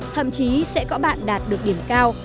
thậm chí sẽ có bạn đạt được điểm cao